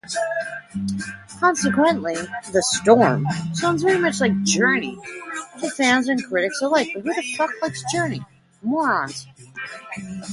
Consequently, The Storm sounds very much like Journey, to fans and critics alike.